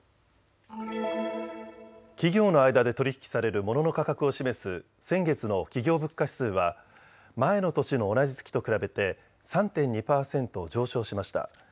企業の間で取り引きされるモノの価格を示す先月の企業物価指数は前の年の同じ月と比べて３．２％上昇しました。